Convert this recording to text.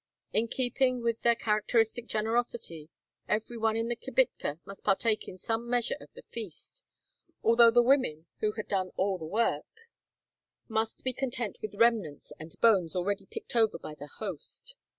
In keeping with their characteristic generosity, every one in the kibitka must partake in some measure of the feast, although the women, who had done all the work, must be content with remnants and bones already picked over by the host.